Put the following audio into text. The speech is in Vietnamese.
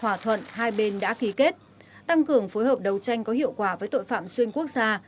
hòa thuận hai bên đã ký kết tăng cường phối hợp đấu tranh có hiệu quả với tội phạm xuyên quốc gia